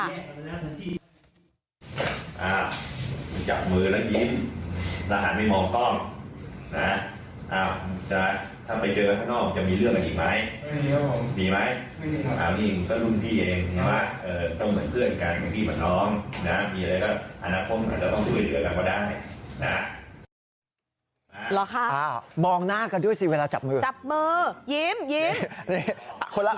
อ้าวจับมือแล้วยิ้มและหากไม่มองกล้อง